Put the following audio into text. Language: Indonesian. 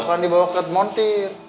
bukan dibawa ke montir